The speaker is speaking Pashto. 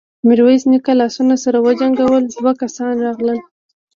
ميرويس نيکه لاسونه سره وجنګول، دوه کسان راغلل.